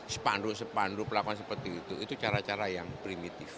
sepandu sepandu pelaku seperti itu itu cara cara yang primitif